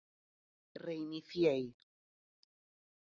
Reiniciei.